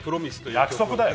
約束だよ！